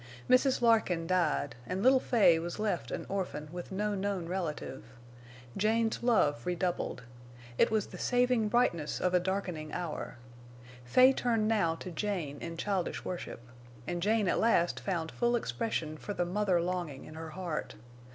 Mrs. Larkin died, and little Fay was left an orphan with no known relative. Jane's love redoubled. It was the saving brightness of a darkening hour. Fay turned now to Jane in childish worship. And Jane at last found full expression for the mother longing in her heart.